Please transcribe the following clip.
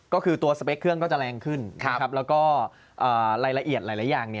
ก็คือตัวสเปคเครื่องก็จะแรงขึ้นแล้วก็รายละเอียดหลายอย่าง